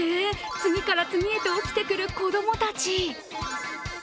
次から次へと起きてくる子供たち。